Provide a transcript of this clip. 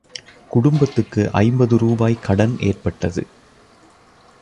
குடும்பத்துக்கு ஐம்பது ரூபாய் கடன் ஏற்பட்டது.